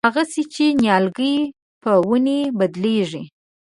هغسې چې نیالګی په ونې بدلېږي.